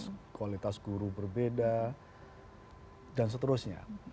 kualitas guru berbeda dan seterusnya